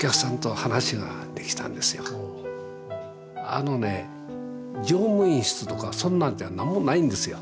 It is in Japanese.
あのね乗務員室とかそんなんじゃ何もないんですよ。